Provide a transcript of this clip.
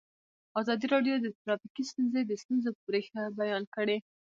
ازادي راډیو د ټرافیکي ستونزې د ستونزو رېښه بیان کړې.